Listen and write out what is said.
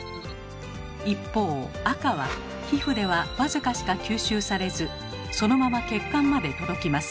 一方赤は皮膚では僅かしか吸収されずそのまま血管まで届きます。